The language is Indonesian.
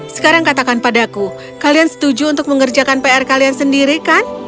sekarang katakan padaku kalian setuju untuk mengerjakan pr kalian sendiri kan